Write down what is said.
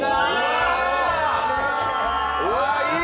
うわ、いい！